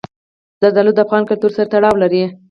زردالو د افغان کلتور سره تړاو لري.